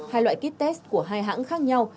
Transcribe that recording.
hai loại kit test của hai hãng khác nhau